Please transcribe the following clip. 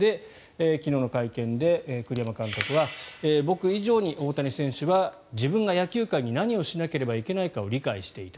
昨日の会見で栗山監督は僕以上に大谷選手は自分が野球界に何をしなければいけないのかを理解していた。